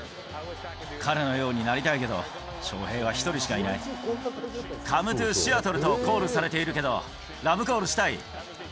彼のようになりたいけど、カム・トゥ・シアトルとコールされているけど、ラブコールしたい？